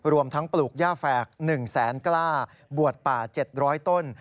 รวมทั้งปลูกย่าแฝก๑แสนกล้าบวชป่า๗๐๐ต้น